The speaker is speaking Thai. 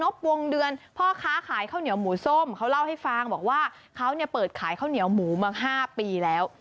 ตั้ง๕ปีแล้ว